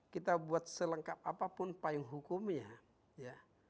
kita buat selengkap apapun payung hukumnya ya